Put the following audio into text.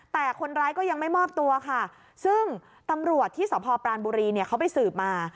แต่คนร้ายก็ยังไม่มอบตัวค่ะซึ่งตำรวจที่สพปรานบุรีเนี่ยเขาไปสืบมา